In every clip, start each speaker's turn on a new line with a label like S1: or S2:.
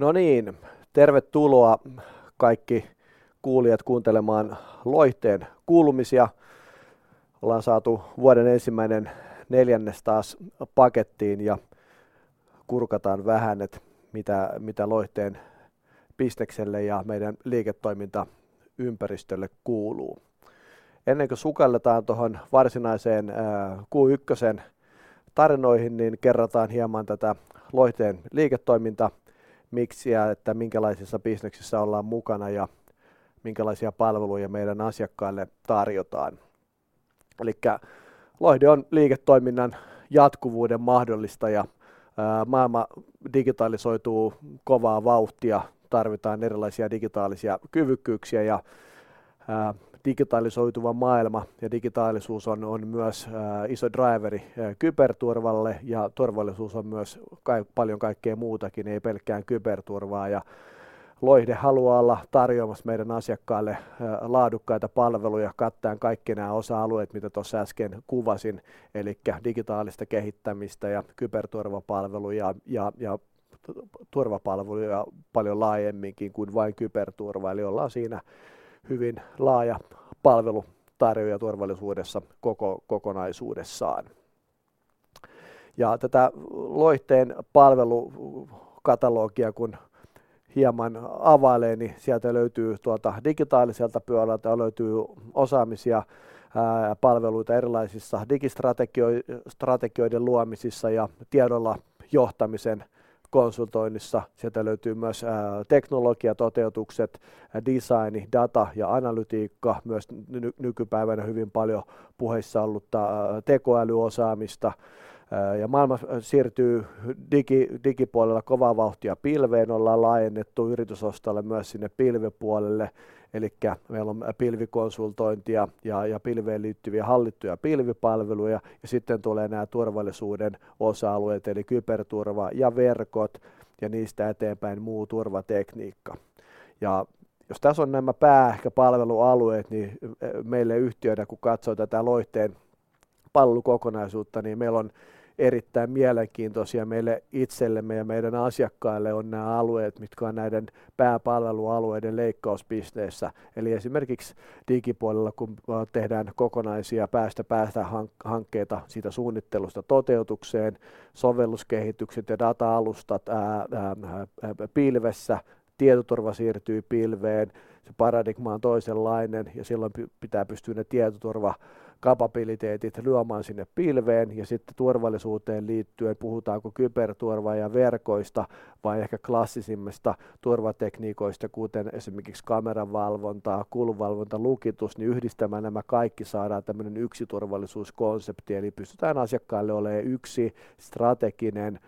S1: No niin, tervetuloa kaikki kuulijat kuuntelemaan Loihteen kuulumisia! Ollaan saatu vuoden ensimmäinen neljännes taas pakettiin ja kurkataan vähän, et mitä Loihteen bisnekselle ja meidän liiketoimintaympäristölle kuuluu. Ennen kuin sukelletaan tohon varsinaiseen Q ykkösen tarinoihin, niin kerrataan hieman tätä Loihteen liiketoimintamiksiä, että minkälaisessa bisneksessä ollaan mukana ja minkälaisia palveluja meidän asiakkaille tarjotaan. Loihde on liiketoiminnan jatkuvuuden mahdollistaja. Maailma digitalisoituu kovaa vauhtia. Tarvitaan erilaisia digitaalisia kyvykkyyksiä ja digitalisoituva maailma ja digitaalisuus on myös iso draiveri kyberturvalle, ja turvallisuus on myös kai paljon kaikkea muutakin, ei pelkkään kyberturvaa. Loihde haluaa olla tarjoamassa meidän asiakkaille laadukkaita palveluja kattaen kaikki nää osa-alueet mitä tossa äsken kuvasin. Digitaalista kehittämistä ja kyberturvapalveluja ja turvapalveluja paljon laajemminkin kuin vain kyberturva. Ollaan siinä hyvin laaja palveluntarjoaja turvallisuudessa koko kokonaisuudessaan. Tätä Loihteen palvelukatalogia kun hieman availee, niin sieltä löytyy tuota digitaaliselta puolelta löytyy osaamisia ja palveluita erilaisissa strategioiden luomisissa ja tiedolla johtamisen konsultoinnissa. Sieltä löytyy myös teknologiatoteutukset, design, data ja analytiikka. Myös nykypäivänä hyvin paljon puheissa ollutta tekoälyosaamista ja maailma siirtyy digipuolella kovaa vauhtia pilveen. Ollaan laajennettu yritysostolla myös sinne pilvipuolelle, elikkä meillä on pilvikonsultointia ja pilveen liittyviä hallittuja pilvipalveluja. Sitten tulee nää turvallisuuden osa-alueet eli kyberturva ja verkot ja niistä eteenpäin muu turvatekniikka. Jos täs on nämä pää ehkä palvelualueet, niin meille yhtiönä kun katsoo tätä Loihteen palvelukokonaisuutta, niin meillä on erittäin mielenkiintoisia meille itsellemme ja meidän asiakkaille on nää alueet, mitkä on näiden pääpalvelualueiden leikkauspisteessä. Esimerkiksi digipuolella kun tehdään kokonaisia päästä päästä hankkeita siitä suunnittelusta toteutukseen. Sovelluskehitykset ja data-alustat pilvessä. Tietoturva siirtyy pilveen. Se paradigma on toisenlainen ja silloin pitää pystyä ne tietoturvakapabiliteetit luomaan sinne pilveen ja sitten turvallisuuteen liittyen, puhutaanko kyberturva ja verkoista vai ehkä klassisemmista turvatekniikoista, kuten esimerkiksi kameravalvonta, kulunvalvonta, lukitus niin yhdistämällä nämä kaikki saadaan tämmöinen yksi turvallisuuskonsepti, eli pystytään asiakkaalle oleen yksi strateginen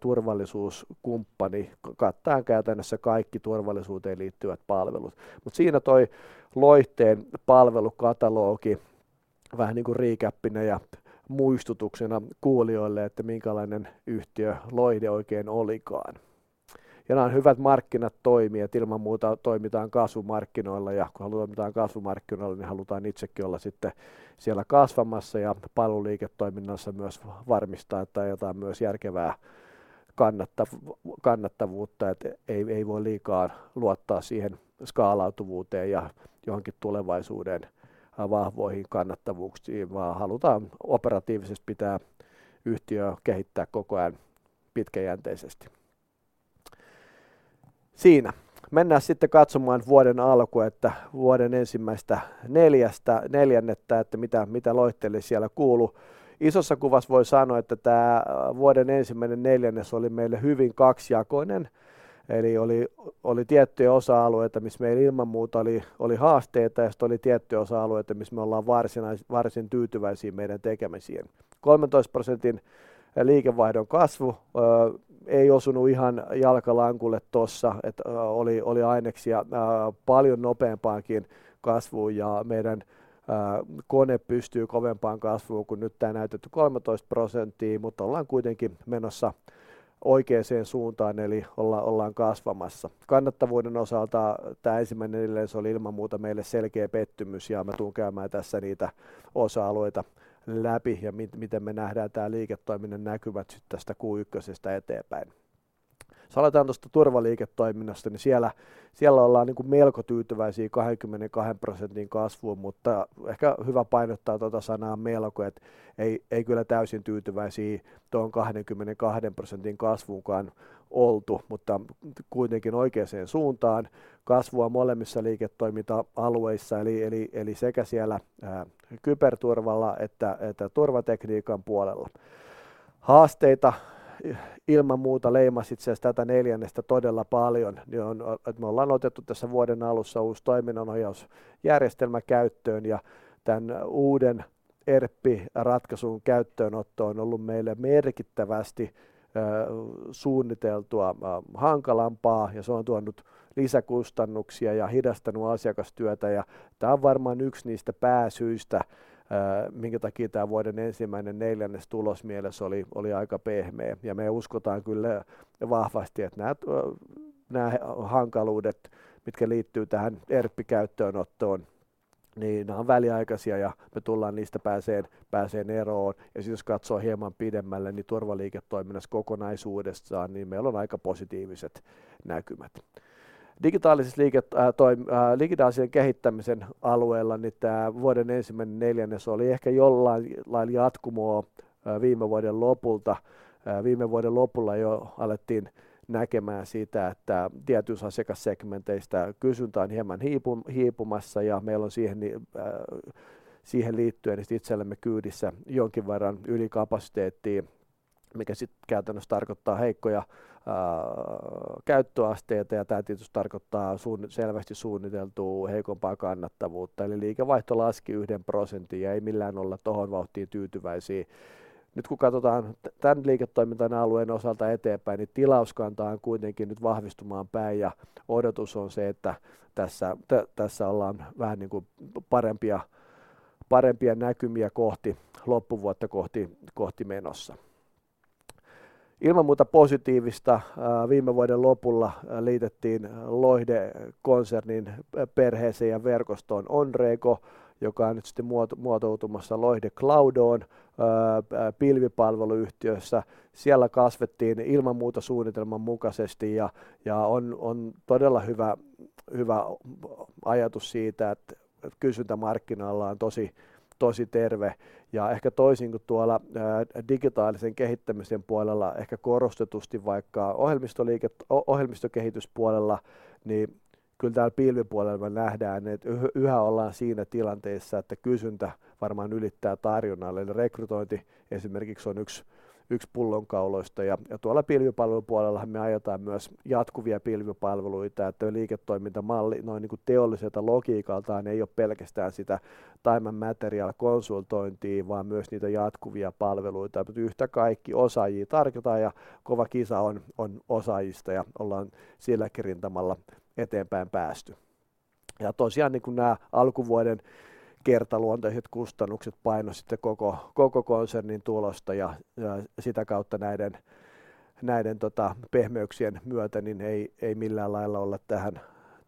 S1: turvallisuuskumppani kattaen käytännössä kaikki turvallisuuteen liittyvät palvelut. Siinä toi Loihteen palvelukatalogi vähän niin kuin recapina ja muistutuksena kuulijoille, että minkälainen yhtiö Loihde oikein olikaan. Nää on hyvät markkinat toimia, että ilman muuta toimitaan kasvumarkkinoilla ja kun toimitaan kasvumarkkinoilla, niin halutaan itsekin olla sitten siellä kasvamassa ja palveluliiketoiminnassa myös varmistaa, että jotain myös järkevää kannattavuutta, että ei voi liikaa luottaa siihen skaalautuvuuteen ja johonkin tulevaisuuden vahvoihin kannattavuuksiin, vaan halutaan operatiivisesti pitää yhtiö kehittää koko ajan pitkäjänteisesti. Siinä. Mennään sitten katsomaan vuoden alkua, että vuoden ensimmäistä neljännettä, että mitä Loihteelle siellä kuulu. Isossa kuvassa voi sanoa, että tää vuoden first quarter oli meille hyvin kaksijakoinen. Oli tiettyjä osa-alueita, missä meillä ilman muuta oli haasteita ja sit oli tiettyjä osa-alueita, missä me ollaan varsin tyytyväisiä meidän tekemisiin. 13% liikevaihdon kasvu ei osunut ihan jalka lankulle tossa, et oli aineksia paljon nopeampaankin kasvuun ja meidän kone pystyy kovempaan kasvuun kuin nyt tää näytetty 13 prosenttii, mutta ollaan kuitenkin menossa oikeeseen suuntaan eli ollaan kasvamassa. Kannattavuuden osalta tää first quarter oli ilman muuta meille selkeä pettymys ja mä tuun käymään tässä niitä osa-alueita läpi ja miten me nähdään tää liiketoiminnan näkymät sit tästä Q1:stä eteenpäin. Jos aletaan tosta turvaliiketoiminnasta, niin siellä ollaan niinku melko tyytyväisiä 22% kasvuun, mutta ehkä hyvä painottaa tota sanaa melko, et ei kyllä täysin tyytyväisiä tohon 22% kasvuunkaan oltu, mutta kuitenkin oikeeseen suuntaan. Kasvua molemmissa liiketoiminta-alueissa eli sekä siellä kyberturvalla että turvatekniikan puolella. Haasteita ilman muuta leimas itse asiassa tätä neljännestä todella paljon. On, että me ollaan otettu tässä vuoden alussa uusi toiminnanohjausjärjestelmä käyttöön ja tämän uuden ERP-ratkaisun käyttöönotto on ollut meille merkittävästi suunniteltua hankalampaa ja se on tuonut lisäkustannuksia ja hidastanut asiakastyötä. Tämä on varmaan yksi niistä pääsyistä, minkä takia tämä vuoden ensimmäinen neljännes tulosmielessä oli aika pehmeä. Me uskotaan kyllä vahvasti, että nämä nämä hankaluudet, mitkä liittyy tähän ERP-käyttöönottoon. Nämä on väliaikaisia ja me tullaan niistä pääseen eroon. Sitten jos katsoo hieman pidemmälle, turvaliiketoiminnassa kokonaisuudessaan, meillä on aika positiiviset näkymät. Digitaalisen kehittämisen alueella, tämä vuoden ensimmäinen neljännes oli ehkä jollain-lain jatkumoa viime vuoden lopulta. Viime vuoden lopulla jo alettiin näkemään sitä, että tietyissä asiakassegmenteistä kysyntä on hiipumassa ja meillä on siihen liittyen sit itsellämme kyydissä jonkin verran ylikapasiteettia, mikä sit käytännössä tarkoittaa heikkoja käyttöasteita. Tää tietysti tarkoittaa selvästi suunniteltua heikompaa kannattavuutta. Liikevaihto laski 1%. Ei millään olla tohon vauhtiin tyytyväisiä. Nyt kun katotaan tän liiketoiminta-alueen osalta eteenpäin, tilauskanta on kuitenkin nyt vahvistumaan päin ja odotus on se, että tässä ollaan vähän niin kuin parempia näkymiä kohti loppuvuotta kohti menossa. Ilman muuta positiivista. Viime vuoden lopulla liitettiin Loihde-konsernin perheeseen ja verkostoon Onrego, joka on nyt sitten muotoutumassa Loihde Cloudon pilvipalveluyhtiössä. Siellä kasvettiin ilman muuta suunnitelman mukaisesti ja on todella hyvä ajatus siitä, et kysyntä markkinalla on tosi terve. Ehkä toisin kuin tuolla digitaalisen kehittämisen puolella, ehkä korostetusti vaikka ohjelmistokehityspuolella, niin kyl täällä pilvipuolella me nähdään, et yhä ollaan siinä tilanteessa, että kysyntä varmaan ylittää tarjonnan. Rekrytointi esimerkiksi on yks pullonkauloista. Tuolla pilvipalvelupuolellahan me ajetaan myös jatkuvia pilvipalveluita. Et toi liiketoimintamalli noin niin kuin teolliselta logiikaltaan ei ole pelkästään sitä time and material -konsultointia, vaan myös niitä jatkuvia palveluita. Yhtä kaikki, osaajia tarvitaan ja kova kisa on osaajista ja ollaan silläkin rintamalla eteenpäin päästy. Tosiaan niin kuin nää alkuvuoden kertaluonteiset kustannukset paino sitten koko konsernin tulosta ja sitä kautta näiden pehmeyksien myötä, niin ei millään lailla olla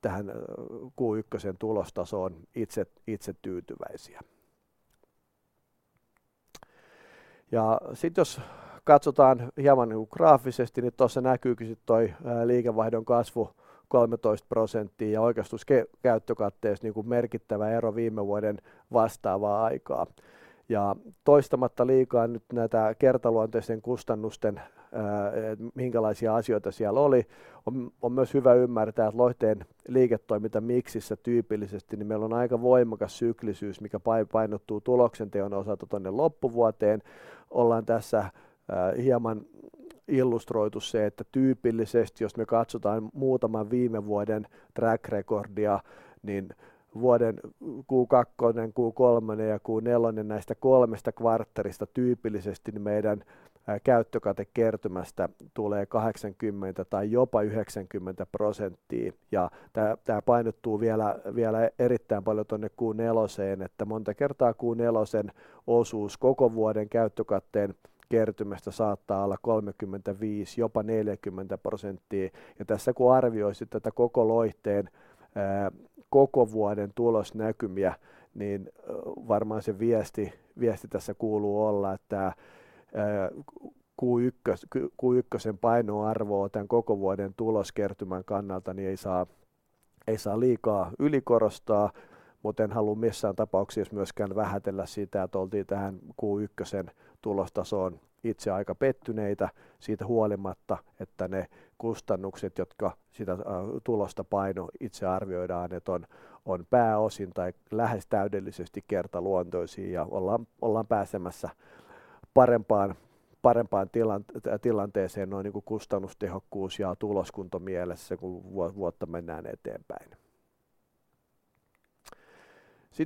S1: tähän Q1:sen tulostasoon itse tyytyväisiä. Sit jos katsotaan hieman niin kuin graafisesti, niin tuossa näkyykin sit toi liikevaihdon kasvu 13% ja oikaistussa käyttökatteessa niin kuin merkittävä ero viime vuoden vastaavaan aikaan. Toistamatta liikaa nyt näitä kertaluonteisten kustannusten, et minkälaisia asioita siellä oli. On myös hyvä ymmärtää, et Loihteen liiketoimintamiksissä tyypillisesti niin meillä on aika voimakas syklisyys, mikä painottuu tuloksentekoon osalta tonne loppuvuoteen. Ollaan tässä hieman illustroitu se, että tyypillisesti jos me katsotaan muutaman viime vuoden track recordia, niin vuoden Q2, Q3 ja Q4 näistä kolmesta kvartterista tyypillisesti niin meidän käyttökatekertymästä tulee 80 tai jopa 90%, ja tää painottuu vielä erittäin paljon tuonne Q4:een, että monta kertaa Q4:en osuus koko vuoden käyttökatteen kertymästä saattaa olla 35, jopa 40%. Tässä kun arvioi sit tätä koko Loihteen koko vuoden tulosnäkymiä, niin varmaan se viesti tässä kuuluu olla, että Q1:sen painoarvoa tän koko vuoden tuloskertymän kannalta niin ei saa liikaa ylikorostaa. En haluu missään tapauksessa myöskään vähätellä sitä, et oltiin tähän Q1:sen tulostasoon itse aika pettyneitä. Siitä huolimatta, että ne kustannukset, jotka sitä tulosta paino, itse arvioidaan, et on pääosin tai lähes täydellisesti kertaluontoisii ja ollaan pääsemässä parempaan tilanteeseen noin niin kuin kustannustehokkuus ja tuloskunto mielessä, kun vuotta mennään eteenpäin.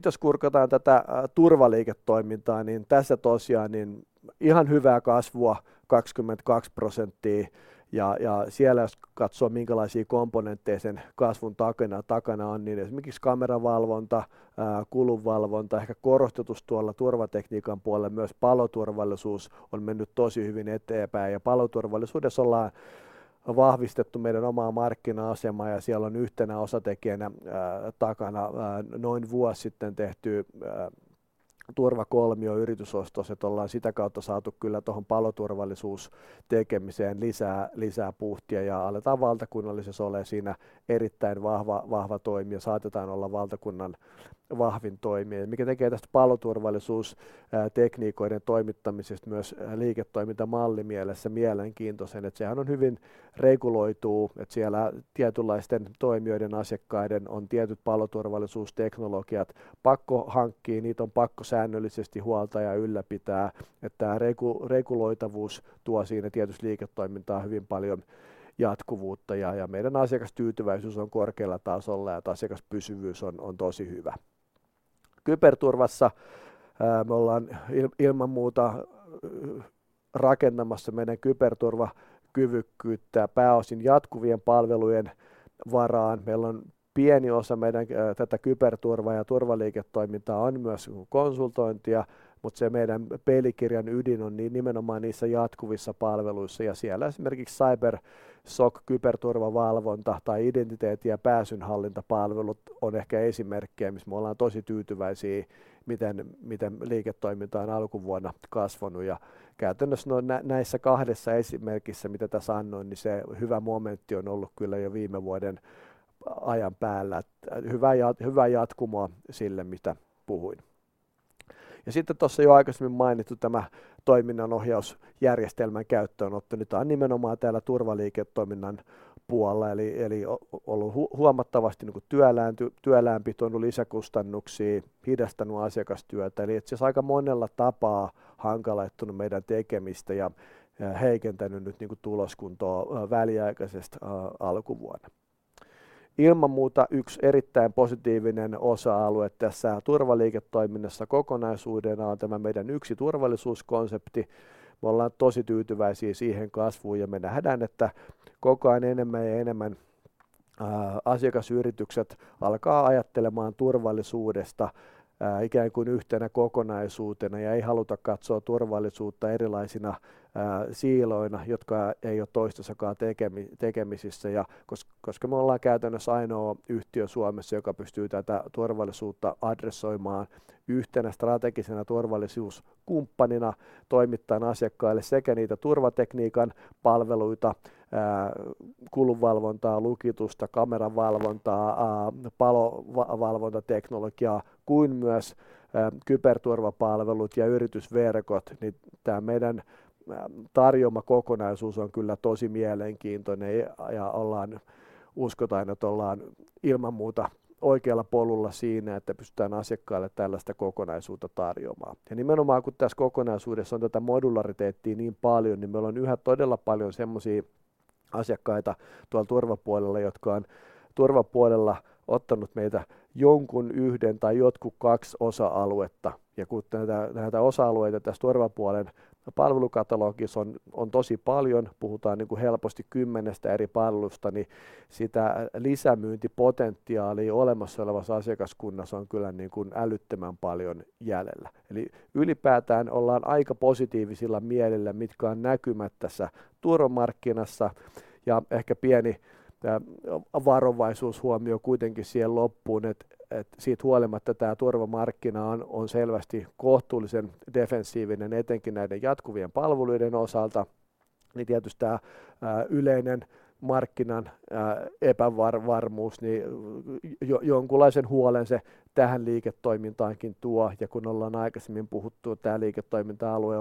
S1: Jos kurkataan tätä turvaliiketoimintaa, niin tässä tosiaan niin ihan hyvää kasvua 22% ja siellä jos katsoo minkälaisii komponentteja sen kasvun takana on, niin esimerkiks kameravalvonta, kulunvalvonta, ehkä korostetusti tuolla turvatekniikan puolella myös paloturvallisuus on mennyt tosi hyvin eteenpäin ja paloturvallisuudessa ollaan vahvistettu meidän omaa markkina-asemaa ja siellä on yhtenä osatekijänä takana noin vuos sitten tehty Turvakolmio-yritysostos, ollaan sitä kautta saatu kyllä tohon paloturvallisuustekemiseen lisää puhtia ja aletaan valtakunnallisessa olee siinä erittäin vahva toimija, saatetaan olla valtakunnan vahvin toimija, mikä tekee täst paloturvallisuustekniikoiden toimittamisesta myös liiketoimintamallimielessä mielenkiintosen, et sehän on hyvin reguloituu, et siellä tietynlaisten toimijoiden, asiakkaiden on tietyt paloturvallisuusteknologiat pakko hankkii. Niit on pakko säännöllisesti huoltaa ja ylläpitää, et tää reguloitavuus tuo siinä tietysti liiketoimintaan hyvin paljon jatkuvuutta ja meidän asiakastyytyväisyys on korkealla tasolla ja asiakaspysyvyys on tosi hyvä. Kyberturvassa, me ollaan ilman muuta rakentamassa meidän kyberturvakyvykkyyttä pääosin jatkuvien palvelujen varaan. Meillä on pieni osa meidän tätä kyberturva- ja turvaliiketoimintaa on myös konsultointia, mut se meidän pelikirjan ydin on nimenomaan niissä jatkuvissa palveluissa ja siellä esimerkiks CyberSOC, kyberturvavalvonta tai identiteetti- ja pääsynhallintapalvelut on ehkä esimerkkejä, missä me ollaan tosi tyytyväisii, miten liiketoiminta on alkuvuonna kasvanu. Käytännössä no näissä kahdessa esimerkissä mitä täs annoin, niin se hyvä momentti on ollut kyllä jo viime vuoden. Ajan päällä hyvää jatkumoa sille mitä puhuin. Sitten tuossa jo aikaisemmin mainittu tämä toiminnanohjausjärjestelmän käyttöönotto. Tämä on nimenomaan täällä turvaliiketoiminnan puolella. Eli ollut huomattavasti työläämpi, tuonut lisäkustannuksia, hidastanut asiakastyötä eli itse asiassa aika monella tapaa hankaloittanut meidän tekemistä ja heikentänyt nyt tuloskuntoa väliaikaisesti alkuvuonna. Ilman muuta yksi erittäin positiivinen osa-alue tässä turvaliiketoiminnassa kokonaisuutena on tämä meidän Yksi turvallisuuskonsepti. Me ollaan tosi tyytyväisiä siihen kasvuun ja me nähdään, että koko ajan enemmän ja enemmän asiakasyritykset alkaa ajattelemaan turvallisuudesta ikään kuin yhtenä kokonaisuutena ja ei haluta katsoa turvallisuutta erilaisina siiloina, jotka ei ole toistensa kanssa tekemisissä. Koska me ollaan käytännössä ainoa yhtiö Suomessa, joka pystyy tätä turvallisuutta adressomaan yhtenä strategisena turvallisuuskumppanina toimittaen asiakkaille sekä niitä turvatekniikan palveluita, kulunvalvontaa, lukitusta, kameravalvontaa, palovalvontateknologiaa kuin myös kyberturvapalvelut ja yritysverkot, niin tämä meidän tarjoama kokonaisuus on kyllä tosi mielenkiintoinen ja ollaan uskotaan, että ollaan ilman muuta oikealla polulla siinä, että pystytään asiakkaille tällaista kokonaisuutta tarjoamaan. Nimenomaan kun tässä kokonaisuudessa on tätä modulariteettia niin paljon, niin meillä on yhä todella paljon sellaisia asiakkaita tuolla turvapuolella, jotka on turvapuolella ottanut meiltä jonkun 1 tai jotkut 2 osa-aluetta. Kun näitä osa-alueita tässä turvapuolen palvelukatalogissa on tosi paljon, puhutaan helposti 10 eri palvelusta, niin sitä lisämyyntipotentiaalia olemassa olevassa asiakaskunnassa on kyllä älyttömän paljon jäljellä. Ylipäätään ollaan aika positiivisilla mielillä mitkä on näkymät tässä turvamarkkinassa. Ehkä pieni varovaisuushuomio kuitenkin siihen loppuun, että siitä huolimatta tämä turvamarkkina on selvästi kohtuullisen defensiivinen etenkin näiden jatkuvien palveluiden osalta. Tietysti tämä yleinen markkinan epävarmuus, niin jonkunlaisen huolen se tähän liiketoimintaankin tuo. Kun ollaan aikaisemmin puhuttu, tämä liiketoiminta alue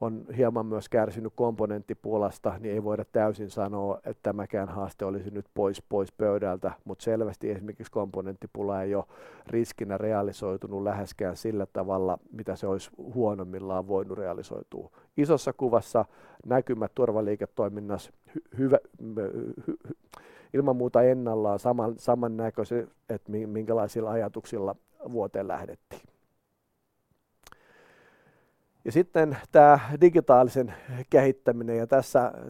S1: on hieman myös kärsinyt komponenttipulasta, niin ei voida täysin sanoa, että tämäkään haaste olisi nyt pois pöydältä. Selvästi esimerkiksi komponenttipula ei ole riskinä realisoitunut läheskään sillä tavalla, mitä se olisi huonoimmillaan voinut realisoitua. Isossa kuvassa näkymät turvaliiketoiminnassa hyvää ilman muuta ennallaan samannäköiset, että minkälaisilla ajatuksilla vuoteen lähdettiin. Sitten tämä digitaalisen kehittäminen.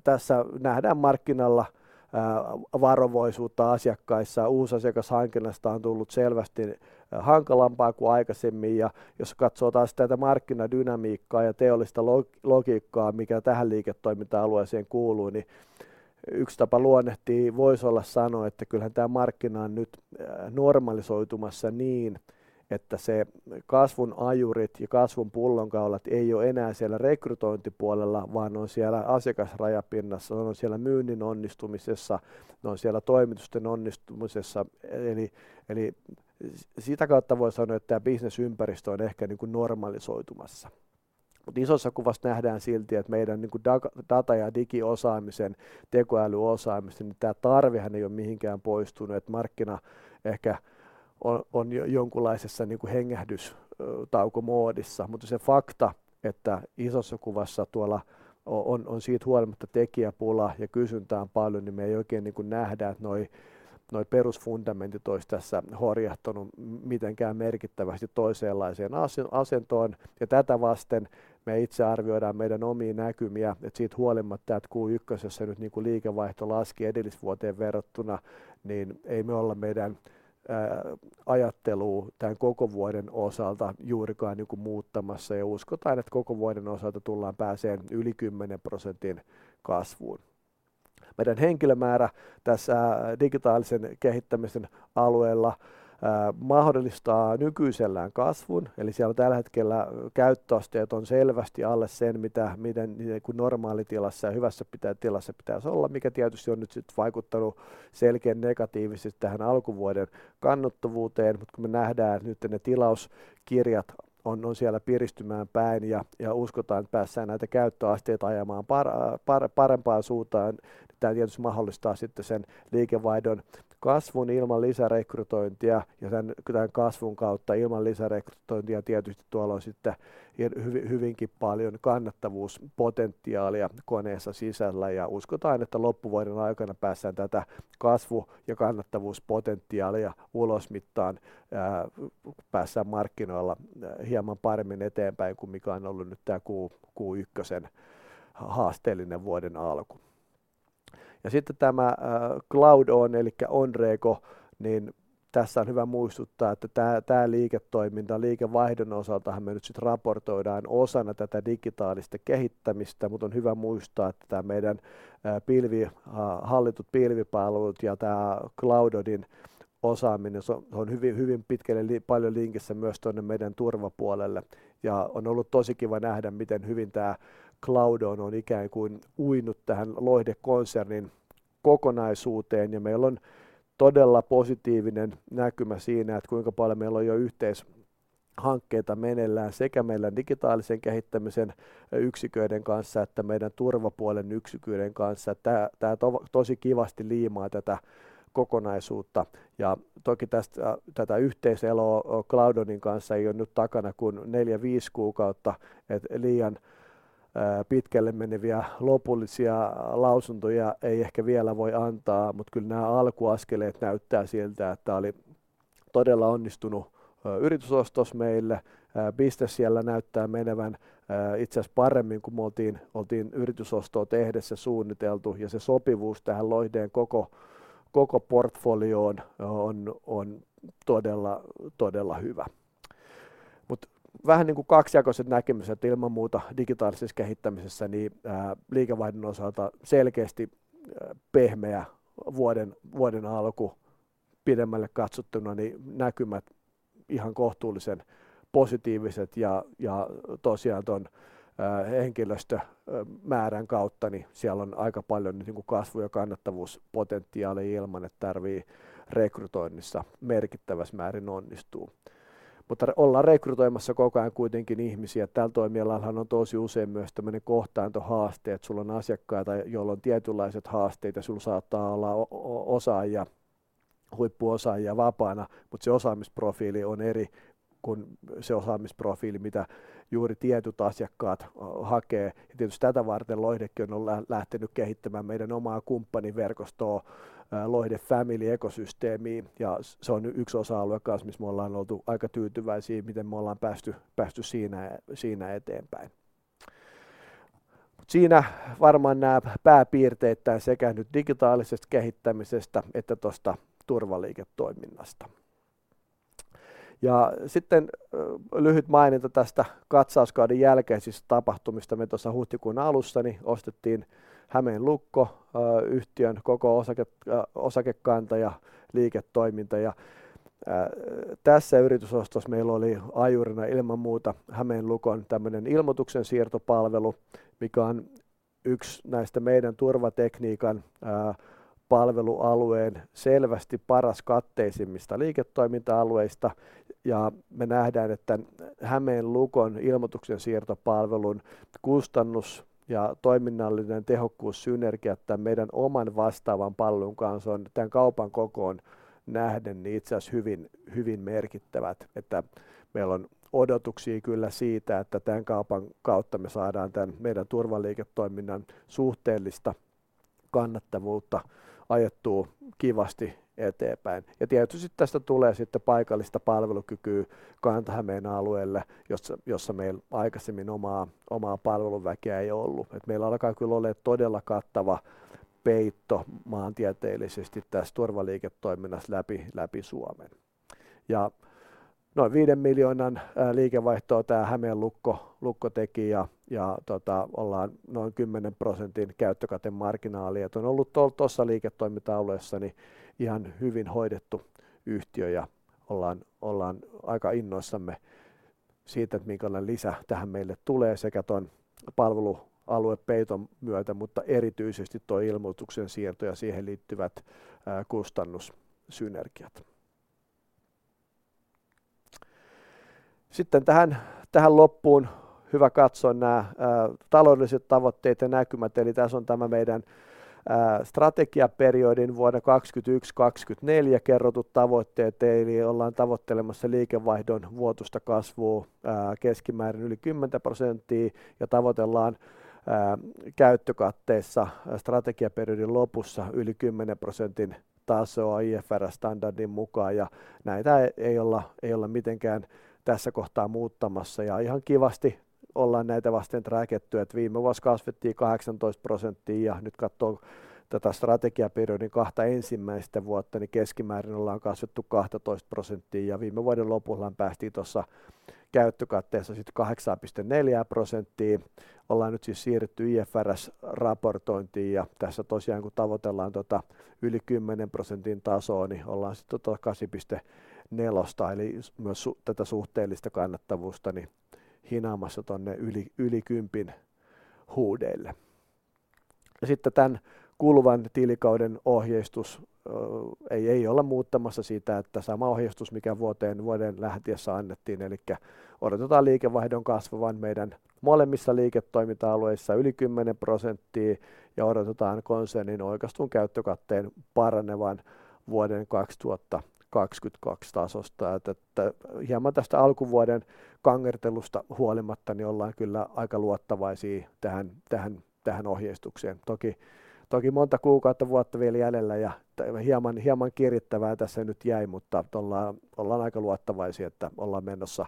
S1: Tässä nähdään markkinalla varovaisuutta asiakkaissa. Uusi asiakashankinnasta on tullut selvästi hankalampaa kuin aikaisemmin. Jos katsotaan sitä, tätä markkinadynamiikkaa ja teollista logiikkaa, mikä tähän liiketoiminta alueeseen kuuluu, niin yksi tapa luonnehtia voisi olla sanoa, että kyllähän tämä markkina on nyt normalisoitumassa niin että se kasvun ajurit ja kasvun pullonkaulat ei ole enää siellä rekrytointipuolella, vaan on siellä asiakasrajapinnassa. Ne on siellä myynnin onnistumisessa. Ne on siellä toimitusten onnistumisessa. Eli sitä kautta voi sanoa, että tämä business ympäristö on ehkä normalisoitumassa, mutta isossa kuvassa nähdään silti, että meidän data- ja digiosaamisen tekoälyosaamisen, niin tämä tarvehan ei ole mihinkään poistunut. Markkina ehkä on jonkunlaisessa hengähdystaukomoodissa, mutta se fakta, että isossa kuvassa tuolla on siitä huolimatta tekijäpula ja kysyntää on paljon, niin me ei oikein nähdä, että nuo perusfundamentit olisi tässä horjahtanut mitenkään merkittävästi toisenlaiseen ase-asentoon. Tätä vasten me itse arvioidaan meidän omia näkymiä. Siitä huolimatta, että Q1:ssä nyt liikevaihto laski edellisvuoteen verrattuna, niin ei me olla meidän ajattelua tämän koko vuoden osalta juurikaan muuttamassa ja uskotaan, että koko vuoden osalta tullaan pääsemään yli 10% kasvuun. Meidän henkilömäärä tässä digitaalisen kehittämisen alueella mahdollistaa nykyisellään kasvun, eli siellä tällä hetkellä käyttöasteet on selvästi alle sen mitä miten ne kuin normaalitilassa ja hyvässä tilassa pitäisi olla, mikä tietysti on nyt sitten vaikuttanut selkeän negatiivisesti tähän alkuvuoden kannattavuuteen. Kun me nähdään, että nyt ne tilauskirjat on siellä piristymään päin ja uskotaan, että päästään näitä käyttöasteita ajamaan parempaan suuntaan, niin tämä tietysti mahdollistaa sitten sen liikevaihdon kasvun ilman lisärekrytointia ja tämän kasvun kautta ilman lisärekrytointia. Tietysti tuolla on sitten hyvinkin paljon kannattavuuspotentiaalia koneessa sisällä ja uskotaan, että loppuvuoden aikana päästään tätä kasvu- ja kannattavuuspotentiaalia ulosmittaamaan, päästään markkinoilla hieman paremmin eteenpäin kuin mikä on ollut nyt tämä Q1:sen haasteellinen vuoden alku. Sitten tämä Cloudon elikkä Onrego, niin tässä on hyvä muistuttaa, että tämä liiketoiminta liikevaihdon osaltahan me nyt sitten raportoidaan osana tätä digitaalista kehittämistä. On hyvä muistaa, että tämä meidän pilvi hallitut pilvipalvelut ja tämä Cloudonin osaaminen se on hyvin pitkälle paljon linkissä myös tuonne meidän turvapuolelle. On ollut tosi kiva nähdä miten hyvin tää Cloudon ikään kuin uinut tähän Loihde-konsernin kokonaisuuteen ja meillä on todella positiivinen näkymä siinä, että kuinka paljon meillä on jo yhteishankkeita meneillään sekä meillä digitaalisen kehittämisen yksiköiden kanssa että meidän turvapuolen yksiköiden kanssa. Tää tosi kivasti liimaa tätä kokonaisuutta. Toki tästä tätä yhteiseloa Cloudonin kanssa ei ole nyt takana kun 4-5 kuukautta, et liian pitkälle meneviä lopullisia lausuntoja ei ehkä vielä voi antaa, mutta kyllä nämä alkuaskeleet näyttää siltä, että tämä oli todella onnistunut yritysostos meille. Bisnes siellä näyttää menevän itse asiassa paremmin kuin me oltiin yritysostoa tehdessä suunniteltu ja se sopivuus tähän Loihteen koko portfolioon on todella hyvä. Vähän niin kuin kaksijakoiset näkymät, että ilman muuta digitaalisessa kehittämisessä niin liikevaihdon osalta selkeästi pehmeä vuoden alku. Pidemmälle katsottuna niin näkymät ihan kohtuullisen positiiviset ja tosiaan tuon henkilöstömäärän kautta niin siellä on aika paljon kasvu- ja kannattavuuspotentiaalia ilman että tarvii rekrytoinnissa merkittävässä määrin onnistua. Ollaan rekrytoimassa koko ajan kuitenkin ihmisiä. Tällä toimialallahan on tosi usein myös tämmönen kohtaan to haaste, että sulla on asiakkaita, joilla on tietynlaiset haasteet ja sulla saattaa olla osaajia, huippuosaajia vapaana, mutta se osaamisprofiili on eri kuin se osaamisprofiili, mitä juuri tietyt asiakkaat hakee. Tietysti tätä varten Loihdekin on lähtenyt kehittämään meidän omaa kumppaniverkostoa Loihde Family ekosysteemiin ja se on nyt yksi osa-alue kans missä me ollaan oltu aika tyytyväisiä miten me ollaan päästy siinä eteenpäin. Siinä varmaan nää pääpiirteittäin sekä nyt digitaalisesta kehittämisestä että tuosta turvaliiketoiminnasta. Sitten lyhyt maininta tästä katsauskauden jälkeisistä tapahtumista. Me tuossa huhtikuun alussa niin ostettiin Hämeen Lukko -yhtiön koko osakekanta ja liiketoiminta. Tässä yritysostos meillä oli ajurina ilman muuta Hämeen Lukon tämmönen ilmoituksensiirtopalvelu, mikä on yksi näistä meidän turvatekniikan palvelualueen selvästi paras katteisimmista liiketoiminta-alueista. Me nähdään, että Hämeen Lukon ilmoituksensiirtopalvelun kustannus ja toiminnallinen tehokkuus synergiat tän meidän oman vastaavan palvelun kanssa on tän kaupan kokoon nähden itse asiassa hyvin merkittävät, että meillä on odotuksia kyllä siitä, että tämän kaupan kautta me saadaan tän meidän turvaliiketoiminnan suhteellista kannattavuutta ajettua kivasti eteenpäin. Tietysti tästä tulee sitten paikallista palvelukykyä Kanta-Hämeen alueelle, jossa meillä aikaisemmin omaa palveluväkeä ei ollut. Meillä alkaa kyllä olemaan todella kattava peitto maantieteellisesti tässä turvaliiketoiminnassa läpi Suomen. Noin EUR 5 miljoonan liikevaihtoa tää Hämeen Lukko teki ja tota ollaan noin 10 %:n käyttökatemarginaali, et on ollut tuossa liiketoiminta-alueessa ni ihan hyvin hoidettu yhtiö ja ollaan aika innoissamme siitä minkälainen lisä tähän meille tulee sekä tuon palvelualuepeiton myötä, mutta erityisesti tuo ilmoituksensiirto ja siihen liittyvät kustannussynergiat. Tähän loppuun hyvä katsoa nää taloudelliset tavoitteet ja näkymät. Tässä on tämä meidän strategiaperiodin vuonna 2021-2024 kerrotut tavoitteet. Ollaan tavoittelemassa liikevaihdon vuotuista kasvua keskimäärin yli 10 %:a ja tavoitellaan käyttökatteessa strategiaperiodin lopussa yli 10 %:n tasoa IFRS-standardin mukaan. Näitä ei olla mitenkään tässä kohtaa muuttamassa ja ihan kivasti ollaan näitä vasten träkätty, et viime vuosi kasvettiin 18 %:iin ja nyt kattoo tätä strategiaperiodin kahta ensimmäistä vuotta, niin keskimäärin ollaan kasvettu 12 %:iin ja viime vuoden lopullahan päästiin tuossa käyttökatteessa sit 8.4 %:iin. Ollaan nyt siis siirrytty IFRS-raportointiin. Tässä tosiaan kun tavoitellaan tota yli 10% tasoa, niin ollaan sitten tota 8.4% eli myös tätä suhteellista kannattavuutta hinaamassa tuonne yli 10:n huudeille. Tän kuluvan tilikauden ohjeistus. Ei olla muuttamassa siitä, että sama ohjeistus mikä vuoden lähtiessä annettiin. Odotetaan liikevaihdon kasvavan meidän molemmissa liiketoiminta-alueissa yli 10% ja odotetaan konsernin oikaistun käyttökatteen paranevan vuoden 2022 tasosta. Hieman tästä alkuvuoden kangertelusta huolimatta niin ollaan kyllä aika luottavaisia tähän ohjeistukseen. Toki monta kuukautta vuotta vielä jäljellä. Hieman kirittävää tässä nyt jäi, mutta ollaan aika luottavaisia, että ollaan menossa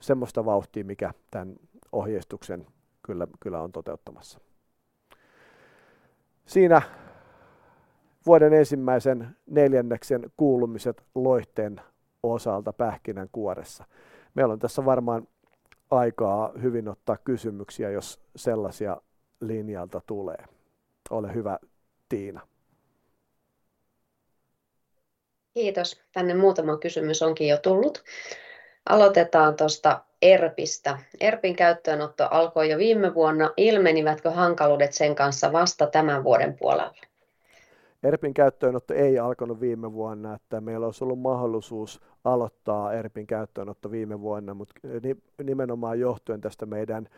S1: semmosta vauhtia, mikä tän ohjeistuksen kyllä on toteuttamassa. Siinä vuoden ensimmäisen neljänneksen kuulumiset Loihteen osalta pähkinänkuoressa. Meillä on tässä aikaa hyvin ottaa kysymyksiä, jos sellaisia linjalta tulee. Ole hyvä Tiina.
S2: Kiitos! Tänne muutama kysymys onkin jo tullut. Aloitetaan tuosta ERPistä. ERPin käyttöönotto alkoi jo viime vuonna. Ilmenivätkö hankaluudet sen kanssa vasta tämän vuoden puolella?
S1: ERPin käyttöönotto ei alkanut viime vuonna, että meillä olisi ollut mahdollisuus aloittaa ERPin käyttöönotto viime vuonna, mutta nimenomaan johtuen tästä meidän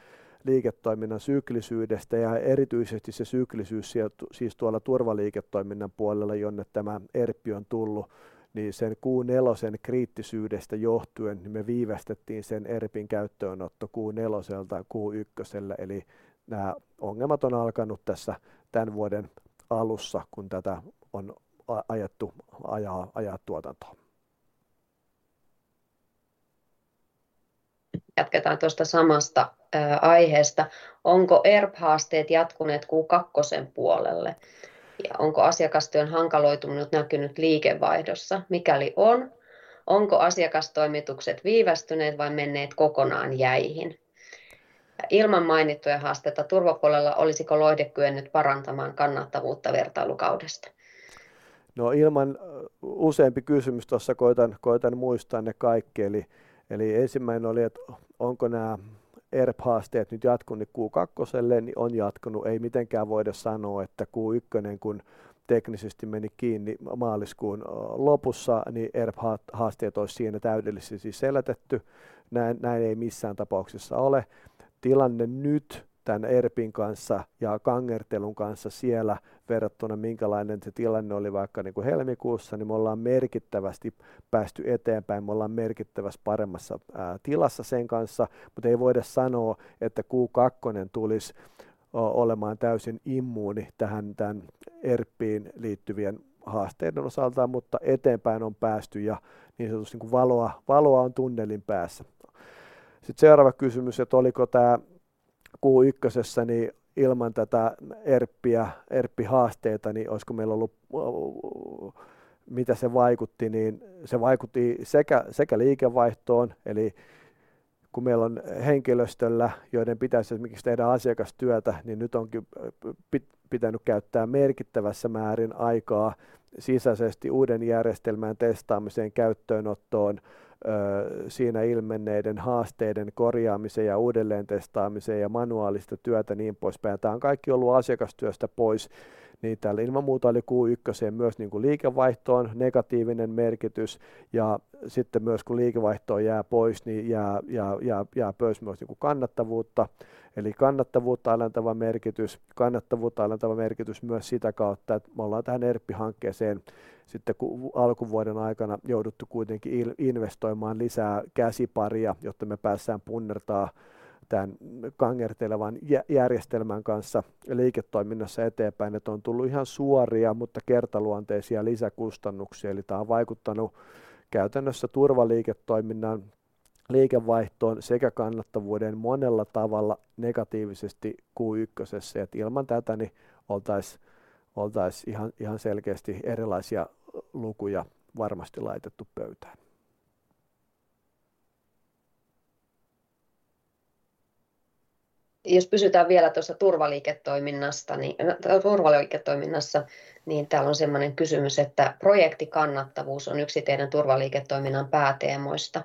S1: liiketoiminnan syklisyydestä ja erityisesti se syklisyys siis tuolla turvaliiketoiminnan puolella, jonne tämä ERP on tullut, niin sen Q nelosen kriittisyydestä johtuen me viivästettiin sen ERPin käyttöönotto Q neloselta Q ykköselle. Nää ongelmat on alkanut tässä tän vuoden alussa, kun tätä on ajettu tuotantoon.
S2: Jatketaan tuosta samasta aiheesta. Onko ERP haasteet jatkuneet Q2 puolelle ja onko asiakastyön hankaloituminen näkynyt liikevaihdossa? Mikäli on, onko asiakastoimitukset viivästyneet vai menneet kokonaan jäihin? Ilman mainittuja haasteita turvapuolella olisiko Loihde kyennyt parantamaan kannattavuutta vertailukaudesta?
S1: Useampi kysymys tuossa, koitan muistaa ne kaikki. Eli ensimmäinen oli, että onko nää ERP haasteet nyt jatkuneet Q2:lle niin on jatkunut. Ei mitenkään voida sanoa, että Q1 kun teknisesti meni kiinni maaliskuun lopussa, niin ERP haasteet olisi siinä täydellisesti selätetty. Näin ei missään tapauksessa ole. Tilanne nyt tän ERPin kanssa ja kangertelun kanssa siellä verrattuna minkälainen se tilanne oli vaikka niinku helmikuussa, niin me ollaan merkittävästi päästy eteenpäin. Me ollaan merkittävästi paremmassa tilassa sen kanssa, mutta ei voida sanoa, että Q2 tulisi olemaan täysin immuuni tähän tän ERPiin liittyvien haasteiden osalta. Eteenpäin on päästy ja niin sanotusti valoa on tunnelin päässä. Sitten seuraava kysymys, että oliko tää Q1:ssä niin ilman tätä ERPiä, ERP haasteita, niin oisko meillä ollut... Mitä se vaikutti, niin se vaikutti sekä liikevaihtoon, eli kun meillä on henkilöstöllä, joiden pitäisi esimerkiksi tehdä asiakastyötä, niin nyt onkin pitänyt käyttää merkittävässä määrin aikaa sisäisesti uuden järjestelmän testaamiseen, käyttöönottoon, siinä ilmenneiden haasteiden korjaamiseen ja uudelleen testaamiseen ja manuaalista työtä ja niin poispäin. Tää on kaikki ollut asiakastyöstä pois, niin tällä ilman muuta oli Q ykköseen myös niinku liikevaihtoon negatiivinen merkitys. Sitten myös kun liikevaihtoa jää pois, niin jää pois myös niinku kannattavuutta. Kannattavuutta alentava merkitys, kannattavuutta alentava merkitys myös sitä kautta, että me ollaan tähän ERP hankkeeseen sitten alkuvuoden aikana jouduttu kuitenkin investoimaan lisää käsipareja, jotta me päästään punnertaa tän kangertelevan järjestelmän kanssa liiketoiminnassa eteenpäin. On tullut ihan suoria, mutta kertaluonteisia lisäkustannuksia. Tää on vaikuttanut käytännössä turvaliiketoiminnan liikevaihtoon sekä kannattavuuden monella tavalla negatiivisesti Q ykkösessä. Ilman tätä niin oltais ihan selkeästi erilaisia lukuja varmasti laitettu pöytään.
S2: Jos pysytään vielä tuossa turvaliiketoiminnasta, niin turvaliiketoiminnassa, niin täällä on semmoinen kysymys, että projektikannattavuus on yksi teidän turvaliiketoiminnan pääteemoista.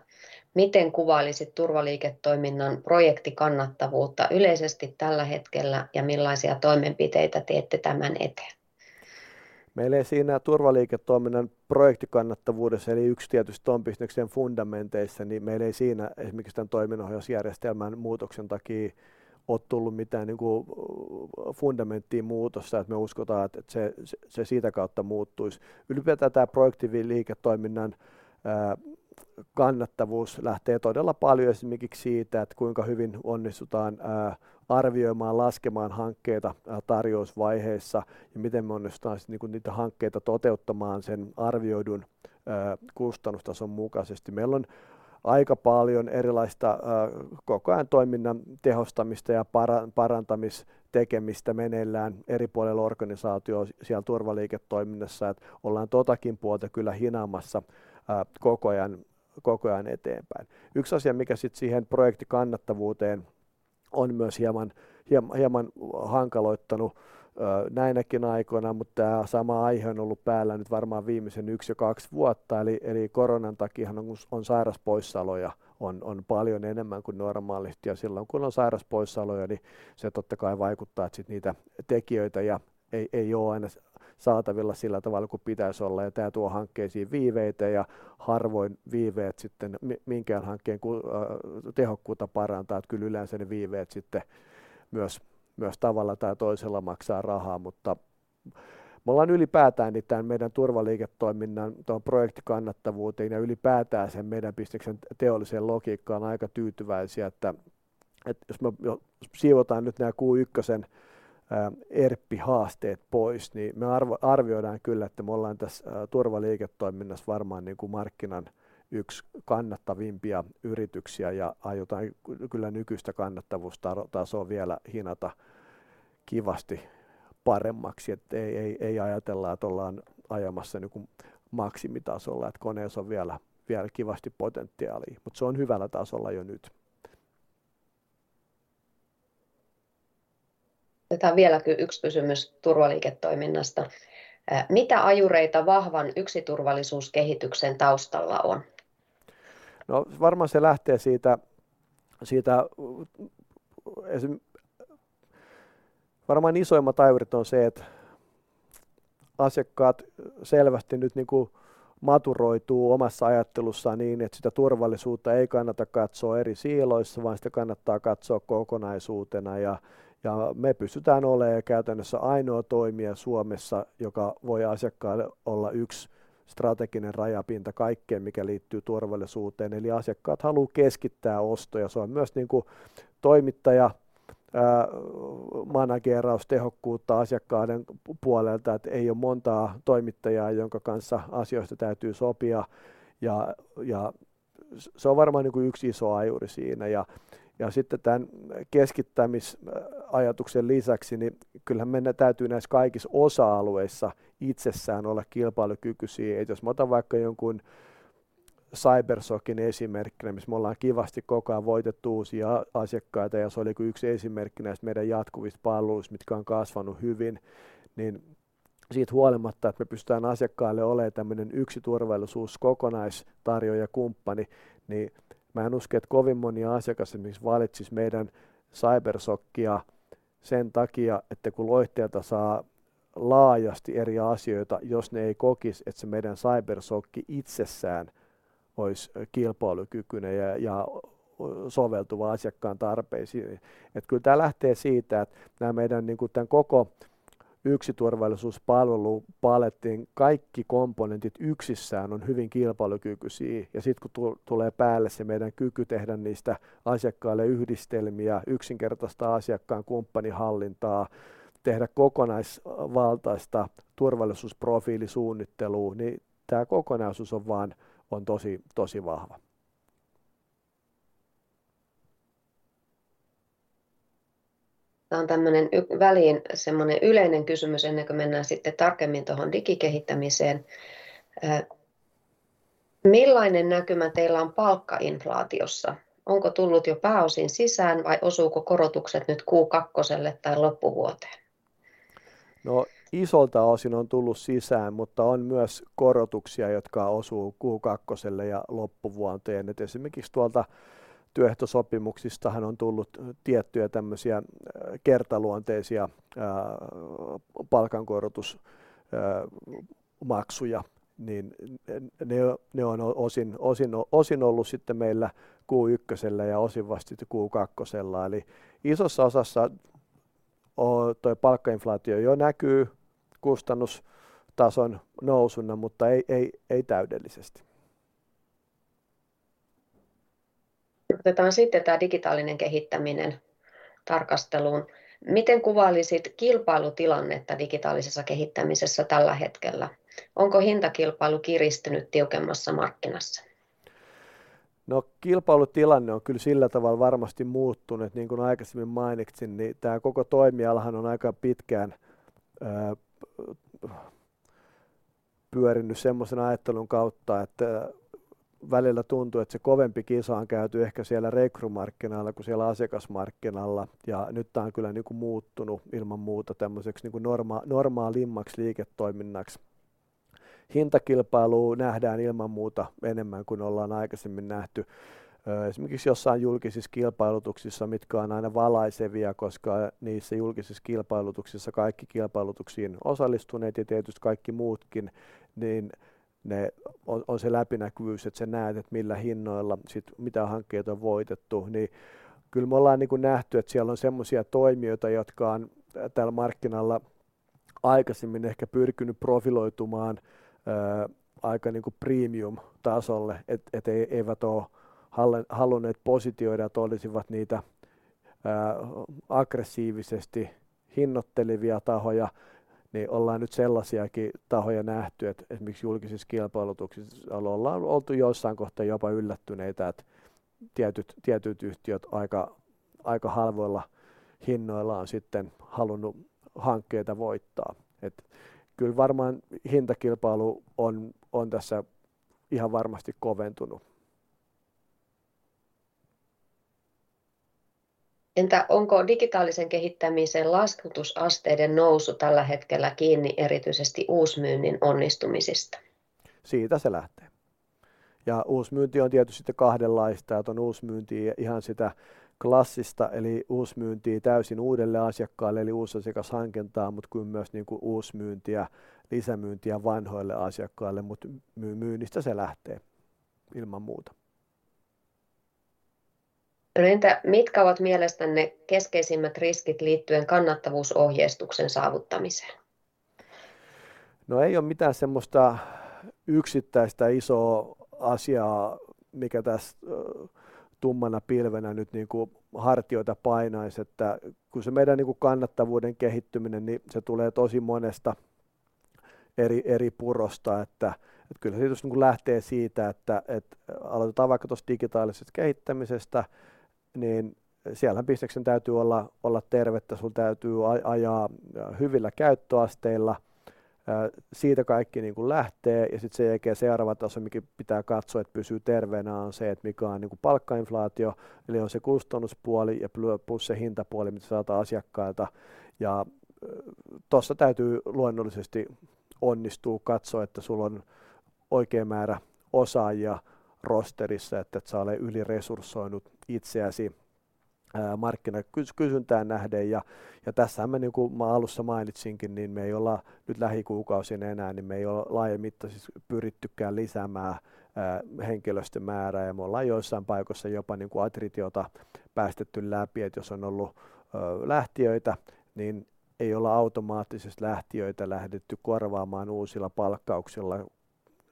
S2: Miten kuvailisit turvaliiketoiminnan projektikannattavuutta yleisesti tällä hetkellä ja millaisia toimenpiteitä teette tämän eteen?
S1: Meillä ei siinä turvaliiketoiminnan projektikannattavuudessa eli one tietysti tuon bisneksen fundamenteissa, niin meillä ei siinä esimerkiksi tän toiminnanohjausjärjestelmän muutoksen takii oo tullut mitään niinku fundamenttiin muutosta, että me uskotaan, että se siitä kautta muuttuisi. Tää projektiliiketoiminnan kannattavuus lähtee todella paljon esimerkiksi siitä, että kuinka hyvin onnistutaan arvioimaan, laskemaan hankkeita tarjousvaiheessa ja miten me onnistutaan sitten niitä hankkeita toteuttamaan sen arvioidun kustannustason mukaisesti. Meillä on aika paljon erilaista koko ajan toiminnan tehostamista ja parantamistekemistä meneillään eri puolilla organisaatiota siellä turvaliiketoiminnassa, et ollaan totakin puolta kyllä hinaamassa koko ajan eteenpäin. Yks asia mikä sit siihen projektikannattavuuteen on myös hieman hankaloittanut näinäkin aikoina, tämä sama aihe on ollut päällä nyt varmaan viimeisen one and two vuotta. Koronan takiahan on sairaspoissaoloja, on paljon enemmän kuin normaalisti ja silloin kun on sairaspoissaoloja, niin se totta kai vaikuttaa, että sitten niitä tekijöitä ja ei ole aina saatavilla sillä tavalla kuin pitäisi olla. Tää tuo hankkeisiin viiveitä ja harvoin viiveet sitten minkään hankkeen ku tehokkuutta parantaa. Kyllä yleensä ne viiveet sitten myös tavalla tai toisella maksaa rahaa. Me ollaan ylipäätään niin tän meidän turvaliiketoiminnan tohon projektikannattavuuteen ja ylipäätään sen meidän bisneksen teolliseen logiikkaan aika tyytyväisiä, että jos siivotaan nyt nää Q1:n ERP haasteet pois, niin me arvioidaan kyllä, että me ollaan tässä turvaliiketoiminnassa varmaan niinku markkinan yks kannattavimpia yrityksiä ja aiotaan kyllä nykyistä kannattavuustasoa vielä hinata kivasti paremmaksi, et ei ajatella, et ollaan ajamassa niinku maksimitasolla, et koneessa on vielä kivasti potentiaalia, mut se on hyvällä tasolla jo nyt.
S2: Otetaan vielä yks kysymys Turvaliiketoiminnasta. Mitä ajureita vahvan Yksiturvallisuuskehityksen taustalla on?
S1: No varmaan se lähtee siitä. Varmaan isoimmat ajurit on se, et asiakkaat selvästi nyt niinku maturoituu omassa ajattelussaan niin, että sitä turvallisuutta ei kannata katsoa eri siiloissa, vaan sitä kannattaa katsoa kokonaisuutena. Me pystytään oleen käytännössä ainoo toimija Suomessa, joka voi asiakkaalle olla yks strateginen rajapinta kaikkeen, mikä liittyy turvallisuuteen. Eli asiakkaat haluu keskittää ostoja. Se on myös niinku toimittaja manageeraustehokkuutta asiakkaiden puolelta, et ei oo montaa toimittajaa, jonka kanssa asioista täytyy sopia. Se on varmaan niinku yks iso ajuri siinä. Sitten tän keskittämisajatuksen lisäksi, niin kyllähän meidän täytyy näis kaikis osa-alueissa itsessään olla kilpailukykyisii. Jos mä otan vaikka jonkun CyberSOCin esimerkkinä, mis me ollaan kivasti koko ajan voitettu uusia asiakkaita ja se oli niinku yks esimerkki näist meidän jatkuvista palveluista, mitkä on kasvanut hyvin, niin siit huolimatta, että me pystytään asiakkaalle oleen tämmönen yksi turvallisuuskokonais tarjoajakumppani, niin mä en usko, että kovin moni asiakas esimerkiksi valitsis meidän CyberSOCia sen takia, että kun Loihteelta saa laajasti eri asioita. Jos ne ei kokis, et se meidän CyberSOC itsessään ois kilpailukykyinen ja soveltuva asiakkaan tarpeisiin. Kyl tää lähtee siitä, et nää meidän niinku tän koko yksi turvallisuuspalvelupalettii kaikki komponentit yksissään on hyvin kilpailukykyisii. Sit ku tulee päälle se meidän kyky tehdä niistä asiakkaille yhdistelmiä, yksinkertaistaa asiakkaan kumppanihallintaa, tehdä kokonaisvaltaista turvallisuusprofiilisuunnitteluu, niin tää kokonaisuus on vaan tosi vahva.
S2: Tää on tämmönen väliin semmonen yleinen kysymys ennen kuin mennään sitten tarkemmin tohon digikehittämiseen. Millainen näkymä teillä on palkkainflaatiossa? Onko tullut jo pääosin sisään vai osuuko korotukset nyt Qkakkoselle tai loppuvuoteen?
S1: Isolta osin on tullut sisään, mutta on myös korotuksia, jotka osuu Q2:lle ja loppuvuoteen. Esimerkiks tuolta työehtosopimuksistahan on tullut tiettyjä tämmösiä kertaluonteisia palkankorotus maksuja, niin ne on osin ollu sitten meillä Q1:llä ja osin vast sitten Q2:lle. Isossa osassa toi palkkainflaatio jo näkyy kustannustason nousuna, mutta ei täydellisesti.
S2: Otetaan sitten tää digitaalinen kehittäminen tarkasteluun. Miten kuvailisit kilpailutilannetta digitaalisessa kehittämisessä tällä hetkellä? Onko hintakilpailu kiristynyt tiukemmassa markkinassa?
S1: Kilpailutilanne on kyl sillä taval varmasti muuttunu, et niin kun aikaisemmin mainitsin, niin tää koko toimialahan on aika pitkään pyöriny semmosen ajattelun kautta, että välillä tuntu, et se kovempi kisa on käyty ehkä siellä rekrymarkkinalla ku siellä asiakasmarkkinalla. Nyt tää on kyllä niinku muuttunu ilman muuta tämmöseks niinku normaalimmaks liiketoiminnaks. Hintakilpailuu nähdään ilman muuta enemmän kuin ollaan aikaisemmin nähty. Esimerkiks jossain julkisis kilpailutuksissa, mitkä on aina valaisevia, koska niissä julkisis kilpailutuksissa kaikki kilpailutuksiin osallistuneet ja tietysti kaikki muutkin, niin ne on se läpinäkyvyys, et sä näet et millä hinnoilla sit mitä hankkeita on voitettu. Kyl me ollaan niinku nähty, et siel on semmosia toimijoita, jotka on täl markkinalla aikaisemmin ehkä pyrkinyt profiloitumaan aika niinku premium-tasolle, et eivät oo halunneet positioida, et olisivat niitä aggressiivisesti hinnoittelevia tahoja. Ollaan nyt sellasiakin tahoja nähty, et esimerkiks julkisis kilpailutuksis ollaan oltu jossain kohtaa jopa yllättyneitä, et tietyt yhtiöt aika halvoilla hinnoilla on sitten halunnu hankkeita voittaa. Kyl varmaan hintakilpailu on tässä ihan varmasti koventunu.
S2: Onko digitaalisen kehittämisen laskutusasteiden nousu tällä hetkellä kiinni erityisesti uusmyynnin onnistumisista?
S1: Siitä se lähtee. Uusmyynti on tietysti kahdenlaista, et on uusmyyntii, ihan sitä klassista eli uusmyyntii täysin uudelle asiakkaalle eli uusi asiakashankintaa, mut kuin myös niinku uusmyyntiä, lisämyyntiä vanhoille asiakkaille. Myynnistä se lähtee ilman muuta.
S2: Entä mitkä ovat mielestänne keskeisimmät riskit liittyen kannattavuusohjeistuksen saavuttamiseen?
S1: Ei oo mitään semmosta yksittäistä isoo asiaa, mikä täs tummana pilvenä nyt niinku hartioita painais. Ku se meidän niinku kannattavuuden kehittyminen, niin se tulee tosi monesta eri purosta, et kyllähän se just niinku lähtee siitä, et aloitetaan vaikka tosta digitaalisesta kehittämisestä, niin siellähän bisneksen täytyy olla tervettä. Sun täytyy ajaa hyvillä käyttöasteilla. Siitä kaikki niinku lähtee ja sit sen jälkeen seuraava taso mikä pitää katsoa, et pysyy terveenä on se, et mikä on niinku palkkainflaatio. Eli on se kustannuspuoli ja plus se hintapuoli mitä saatetaan asiakkailta. Tossa täytyy luonnollisesti onnistuu katsoo, että sullon oikea määrä osaajia rosterissa, ettet sä ole yliresurssoinut itseäsi, markkina-kysyntään nähden. Tässähän mä niinku mä alussa mainitsinkin, niin me ei olla nyt lähikuukausiin enää, me ei oo laajamittaisest pyrittykään lisäämää henkilöstön määrää ja me ollaan joissain paikoissa jopa niinku attritiota päästetty läpi, et jos on ollu lähtijöitä, niin ei olla automaattisesti lähtijöitä lähdetty korvaamaan uusilla palkkauksilla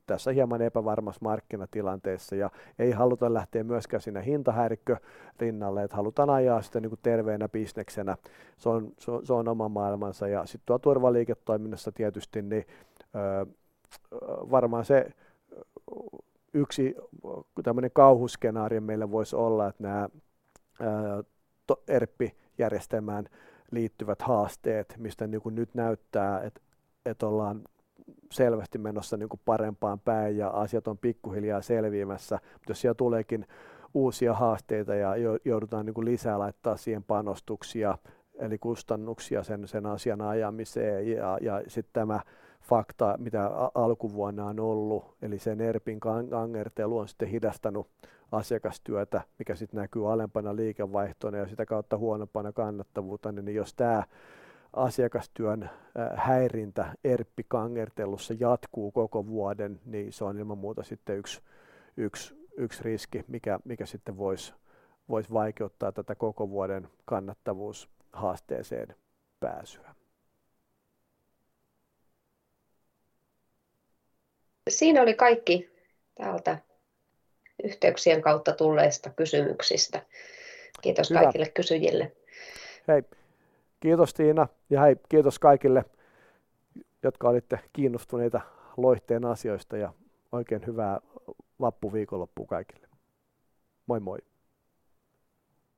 S1: tässä hieman epävarmassa markkinatilanteessa, ja ei haluta lähteä myöskään siinä hintahäirikkö rinnalle, et halutaan ajaa sitä niinku terveenä bisneksenä. Se on oma maailmansa. Sit turvaliiketoiminnassa tietysti niin, varmaan yksi tämmönen kauhuskenaario meille vois olla, et nää ERP-järjestelmään liittyvät haasteet, mistä niinku nyt näyttää, et ollaan selvästi menossa niinku parempaan päin ja asiat on pikkuhiljaa selviämässä. Jos siihen tuleekin uusia haasteita ja joudutaan niinku lisää laittaa siihen panostuksia eli kustannuksia sen asian ajamiseen. Tämä fakta mitä alkuvuonna on ollu, eli sen ERP:n kangertelu on sitte hidastanu asiakastyötä, mikä sit näkyy alempana liikevaihtona ja sitä kautta huonompana kannattavuutena, niin jos tää asiakastyön häirintä ERP-kangertelussa jatkuu koko vuoden, niin se on ilman muuta sitte one riski, mikä sitten vois vaikeuttaa tätä koko vuoden kannattavuushaasteeseen pääsyä.
S2: Siinä oli kaikki täältä yhteyksien kautta tulleista kysymyksistä. Kiitos kaikille kysyjille.
S1: Heippa! Kiitos Tiina ja hei kiitos kaikille, jotka olitte kiinnostuneita Loihteen asioista, ja oikein hyvää loppuviikonloppua kaikille. Moi moi!